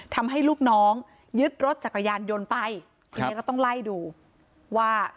ทำให้ลูกน้องยึดรถจักรยานยนต์ไปทีนี้ก็ต้องไล่ดูว่า